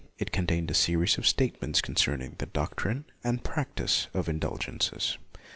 It contained a series of state ments concerning the doctrine and practice of indulgences.